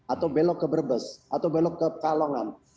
atau belok ke berbes atau belok ke kalongan